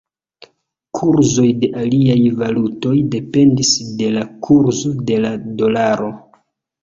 Kurzoj de aliaj valutoj dependis de la kurzo de la dolaro.